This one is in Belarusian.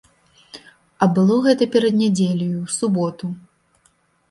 А было гэта перад нядзеляю, у суботу.